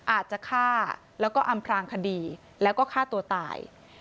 อาจจะฆ่าแล้วก็อำพลางคดีแล้วก็ฆ่าตัวตาย